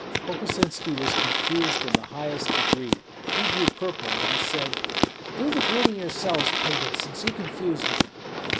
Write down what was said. Kokosinski was confused in the highest degree. He grew purple, and said, "Do the greeting yourselves, pagans, since you confuse me."